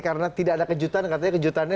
karena tidak ada kejutan katanya kejutan ini